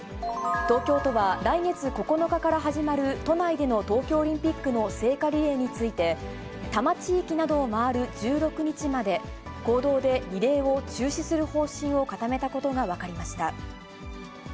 東京都は来月９日から始まる都内での東京オリンピックの聖火リレーについて、多摩地域などを回る１６日まで、公道でリレーを中止する方針を固めたことが分かりました。